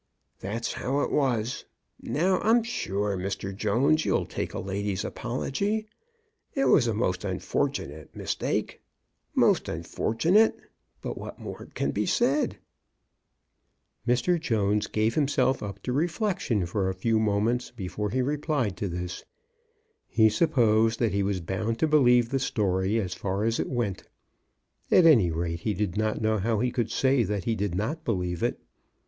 That's how it was. Now I'm sure, Mr. Jones, you'll take a lady's apology. It was a most unfortunate mistake — most unfortunate; but what more can be said ?" Mr. Jones gave himself up to reflection for a 58 CHRISTMAS AT THOMPSON HALL. few moments before he replied to this. He supposed that he was bound to believe the story as far as it went. At any rate, he did not know how he could say that he did not believe it.